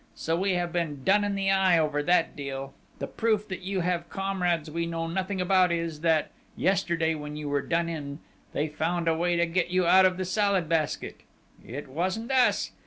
So we have been done in the eye over that deal!... The proof that you have comrades we know nothing about is, that yesterday when you were done in, they found a way to get you out of the Salad Basket!... It wasn't us!...